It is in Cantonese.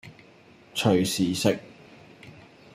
隨時食